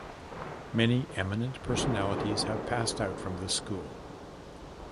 Many eminent personalities have passed out from this school.